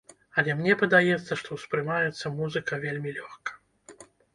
Але мне падаецца, што ўспрымаецца музыка вельмі лёгка.